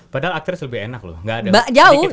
padahal actress lebih enak loh gak ada sedikit hujatan gitu